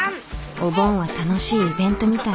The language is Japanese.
お盆は楽しいイベントみたい。